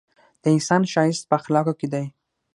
د انسان ښایست په اخلاقو کي دی!